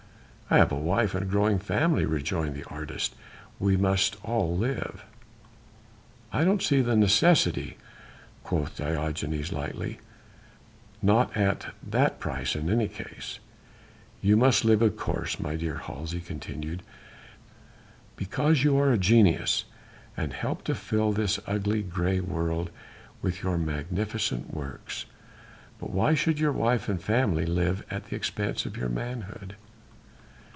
"I have a wife and a growing family," rejoined the artist, "we must all live." "I don't see the necessity," quoth Diogenes lightly, "not at that price in any case. You must live of course, my dear Hals," he continued, "because you are a genius and help to fill this ugly grey world with your magnificent works, but why should your wife and family live at the expense of your manhood."